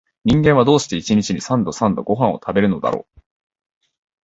人間は、どうして一日に三度々々ごはんを食べるのだろう